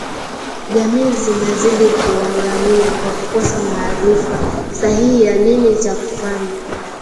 Jamii zinazidi kuangamia kwa kukosa maarifa sahihi ya nini cha kufanya